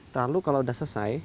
lalu kalau udah selesai